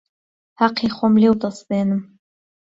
حهقی خۆم لێو دەستێنم